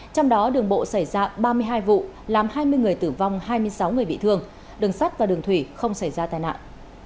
trong đó đường bộ xảy ra ba mươi hai vụ làm hai mươi người tử vong hai mươi sáu người bị thương đường sắt và đường thủy không xảy ra tai nạn